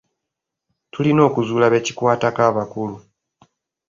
Tulina okuzuula be kikwatako abakulu.